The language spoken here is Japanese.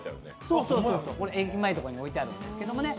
これ、駅前とかに置いてあるんですけどね。